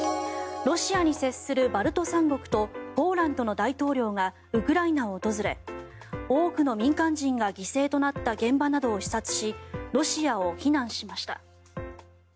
ロシアに接するバルト三国とポーランドの大統領がウクライナを訪れ多くの民間人が犠牲となった現場などを視察しロシアを非難しました。